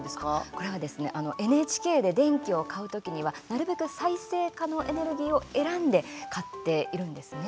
これはですねＮＨＫで電気を買う時にはなるべく再生可能エネルギーを選んで買っているんですね。